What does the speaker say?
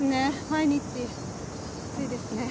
毎日暑いですね。